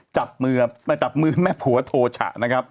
จับมือแม่ผัวโทชะ